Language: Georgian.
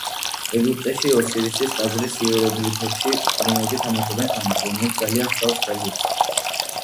ეგვიპტეში, ოსირისის ტაძრის იეროგლიფებში ქურუმები თამაშობენ თამაშს, რომელიც ძალიან ჰგავს ხელბურთს.